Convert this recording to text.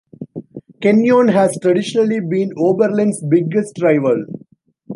Kenyon has traditionally been Oberlin's biggest rival.